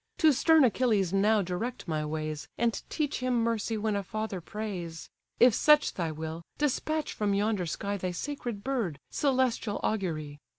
To stern Achilles now direct my ways, And teach him mercy when a father prays. If such thy will, despatch from yonder sky Thy sacred bird, celestial augury!